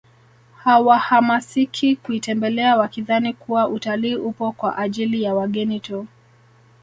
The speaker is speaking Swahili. Hawahamasiki kuitembelea wakidhani kuwa utalii upo kwa ajili ya wageni tu